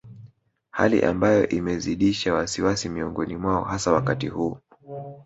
Hali ambayo imezidisha wasiwasi miongoni mwao hasa wakati huu